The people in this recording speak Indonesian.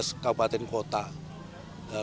diselenggarakan dengan perkembangan